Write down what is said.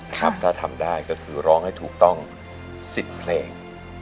ถ้าทำได้ก็คือร้องให้ถูกต้อง๑๐เพลง